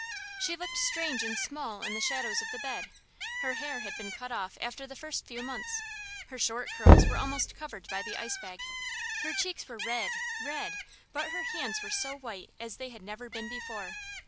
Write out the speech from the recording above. She looked strange and small in the shadows of the bed. Her hair had been cut off after the first few months; her short curls were almost covered by the ice bag. Her cheeks were red, red, but her hands were so white as they had never been before.